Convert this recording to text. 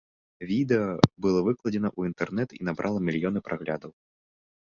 Відэа было выкладзена ў інтэрнэт і набрала мільёны праглядаў.